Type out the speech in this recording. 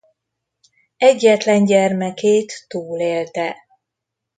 Egyetlen gyermekét túlélte.